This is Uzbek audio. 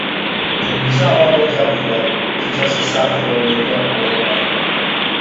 • Kunduzi amaldor kabi yuradi, kechasi sariq loviya o‘g‘irlaydi.